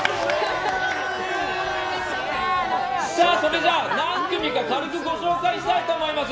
それじゃあ何組か軽くご紹介したいと思います。